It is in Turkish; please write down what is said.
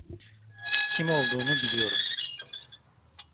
Kim olduğunu biliyorum.